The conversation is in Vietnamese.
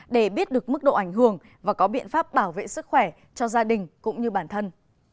để biết được mức độ ảnh hưởng và có biện pháp bảo vệ sức khỏe cho gia đình cũng như bản thân